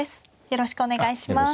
よろしくお願いします。